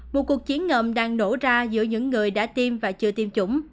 một cuộc chiến ngầm đang nổ ra giữa những người đã tiêm và chưa tiêm chủng